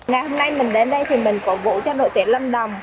ngày hôm nay mình đến đây thì mình cổ vũ cho đội tuyển lâm đồng